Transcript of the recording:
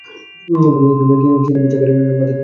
চিনিবাস চাঙাড়ি মাথায় তুলিয়া পুনরায় অন্য বাড়ি চলিল।